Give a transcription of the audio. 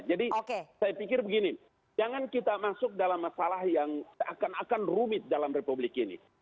jadi saya pikir begini jangan kita masuk dalam masalah yang akan rumit dalam republik ini